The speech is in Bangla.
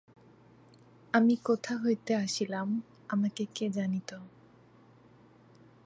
আমি কোথা হইতে আসিলাম, আমাকে কে জানিত।